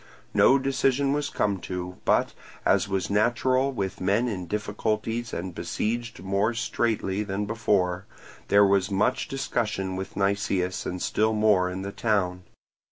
No decision was come to, but, as was natural with men in difficulties and besieged more straitly than before, there was much discussion with Nicias and still more in the town.